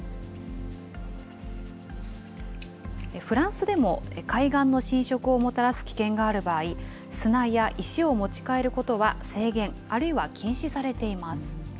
フランスでも海岸の浸食をもたらす危険がある場合、砂や石を持ち帰ることは制限、あるいは禁止されています。